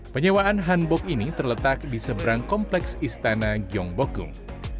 penyewaan hanbok ini terletak di seberang kompleks istana gyeongbokung